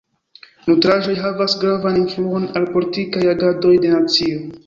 Nutraĵoj havas gravan influon al politikaj agadoj de nacio.